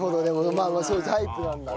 まあまあそういうタイプなんだね。